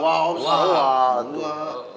wak om sahabat